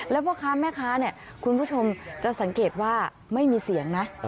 แล้วพ่อค้าแม่ค้าเนี่ยคุณผู้ชมจะสังเกตว่าไม่มีเสียงนะ